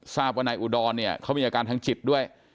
ทราบว่านายอุดรเนี่ยเขามีอาการทางจิตด้วย